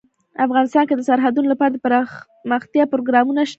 افغانستان کې د سرحدونه لپاره دپرمختیا پروګرامونه شته.